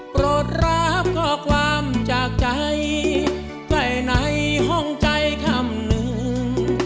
โปรดรับข้อความจากใจไปในห้องใจคำหนึ่ง